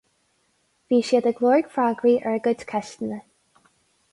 Bhí siad ag lorg freagraí ar a gcuid ceisteanna.